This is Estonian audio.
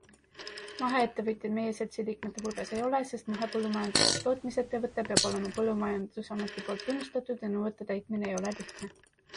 Maheettevõtjaid meie seltsi liikmete hulgas ei ole, sest mahepõllumajanduslik tootmisettevõte peab olema põllumajandusameti poolt tunnustatud ja nõuete täitmine ei ole lihtne.